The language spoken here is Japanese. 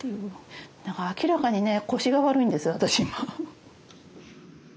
だから明らかにね腰が悪いんです私今。